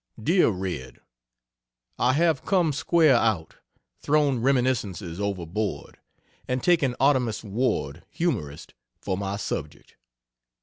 DEAR RED, I have come square out, thrown "Reminiscences" overboard, and taken "Artemus Ward, Humorist," for my subject.